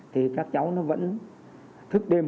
thì các cháu vẫn thức đêm